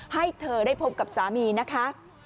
ให้เธอได้พบกับสามีนะคะ